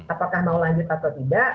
apakah mau lanjut atau tidak